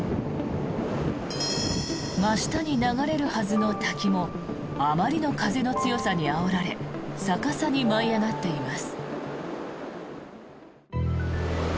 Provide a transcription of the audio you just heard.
真下に流れるはずの滝もあまりの風の強さにあおられ逆さに舞い上がっています。